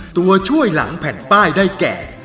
ตัวช่วยหลังแผ่นป้ายได้แก่